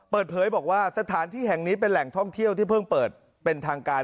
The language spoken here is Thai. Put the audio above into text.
เปิดเผยบอกว่าสถานที่แห่งนี้เป็นแหล่งท่องเที่ยวที่เพิ่งเปิดเป็นทางการ